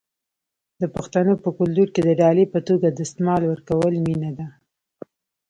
د پښتنو په کلتور کې د ډالۍ په توګه دستمال ورکول مینه ده.